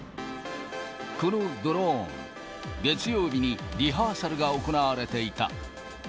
このドローン、月曜日にリハーサルが行われていた。